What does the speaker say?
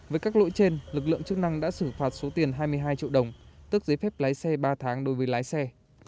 với các lỗi trên lực lượng chức năng đã xử phạt số tiền hai mươi hai triệu đồng tước giấy phép lái xe ba tháng đối với lái xe